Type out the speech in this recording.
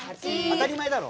当たり前だろ。